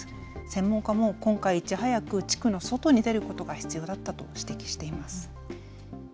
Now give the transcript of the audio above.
専門家も今回、いち早く地区の外に出ることが必要だったと指摘しています。